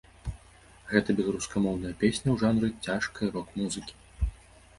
Гэта беларускамоўная песня ў жанры цяжкай рок-музыкі.